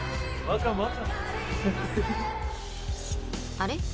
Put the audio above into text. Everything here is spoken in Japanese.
［あれ？